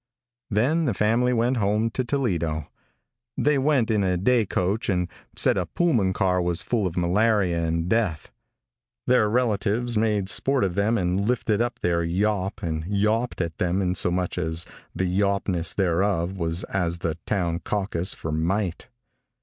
Then the family went home to Toledo. They went in a day coach and said a Pullman car was full of malaria and death. Their relatives made sport of them and lifted up their yawp and yawped at them insomuch that the yawpness thereof was as the town caucus for might.